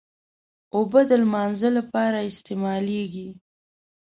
اوبه د لمانځه لپاره استعمالېږي.